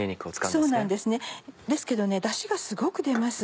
そうなんですですけどダシがすごく出ます。